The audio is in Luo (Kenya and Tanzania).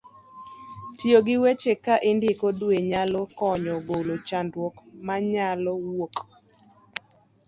tiyo gi weche ka indiko dwe nyalo konyo golo chandruokni manyalo wuok